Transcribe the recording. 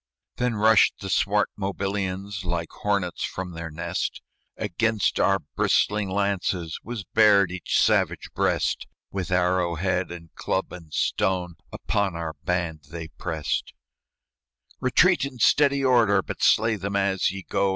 Then rushed the swart Mobilians Like hornets from their nest; Against our bristling lances Was bared each savage breast; With arrow head and club and stone, Upon our band they prest. "Retreat in steady order! But slay them as ye go!"